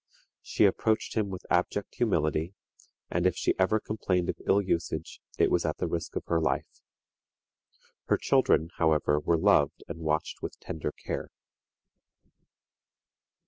She approached him with abject humility, and, if she ever complained of ill usage, it was at the risk of her life; her children, however, were loved and watched with tender care.